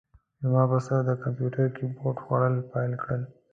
زما پسه د کمپیوتر کیبورډ خوړل پیل کړل.